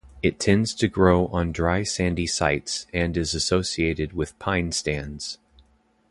It tends to grow on dry sandy sites, and is associated with pine stands.